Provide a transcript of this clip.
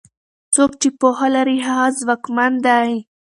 څوک چې پوهه لري هغه ځواکمن دی.